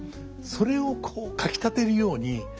それをこうかきたてるように。